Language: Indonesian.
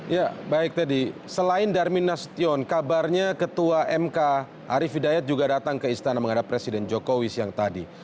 ya baik teddy selain darmin nasution kabarnya ketua mk arief hidayat juga datang ke istana menghadap presiden jokowi siang tadi